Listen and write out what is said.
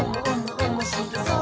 おもしろそう！」